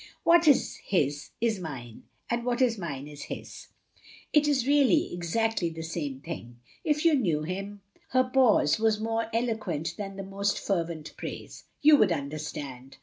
What is his is mine, and what is mine is his. It is really exactly the same thing. If you knew him —" her pause was more eloquent than the most fervent praise — "you would understand."